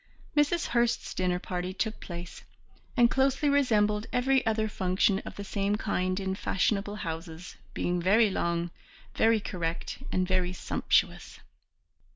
Mrs. Hurst's dinner party took place, and closely resembled every other function of the same kind in fashionable houses, being very long, very correct and very sumptuous.